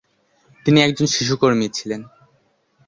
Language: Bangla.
তিনি একজন শিশু কর্মী ছিলেন।